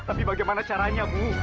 tapi bagaimana caranya bu